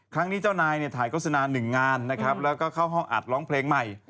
เจ้านายเนี่ยถ่ายโฆษณาหนึ่งงานนะครับแล้วก็เข้าห้องอัดร้องเพลงใหม่